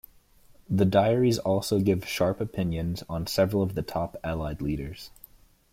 The diaries also give sharp opinions on several of the top Allied leaders.